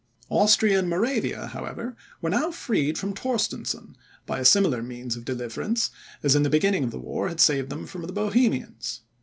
Austria and Moravia, however, were now freed from Torstensohn, by a similar means of deliverance, as in the beginning of the war had saved them from the Bohemians.